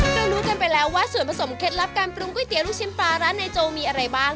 รู้กันไปแล้วว่าส่วนผสมเคล็ดลับการปรุงก๋วเตี๋ลูกชิ้นปลาร้านในโจมีอะไรบ้าง